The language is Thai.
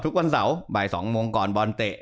ทุกวันเสาร์บ่าย๒โมงก่อนบอลเตะ